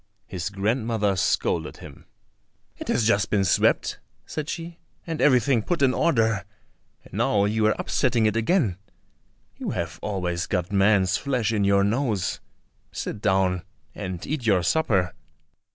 His grandmother scolded him. "It has just been swept," said she, "and everything put in order, and now you are upsetting it again; you have always got man's flesh in your nose. Sit down and eat your supper."